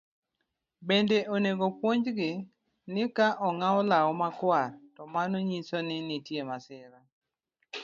Bende onego opuonjgi ni ka ogaw law makwar to mano nyiso ni nitie masira